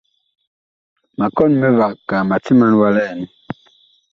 Ma kɔn mivag akaa ma timan wa li ɛn.